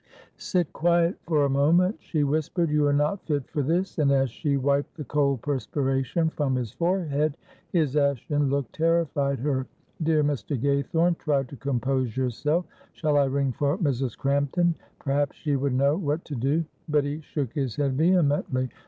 "Sit quiet for a moment," she whispered; "you are not fit for this." And as she wiped the cold perspiration from his forehead, his ashen look terrified her. "Dear Mr. Gaythorne, try to compose yourself. Shall I ring for Mrs. Crampton? perhaps she would know what to do." But he shook his head vehemently.